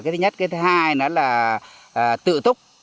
thứ hai là tự túc